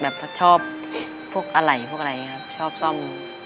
แบบชอบพวกอะไรอย่างนี้ครับชอบซ่อม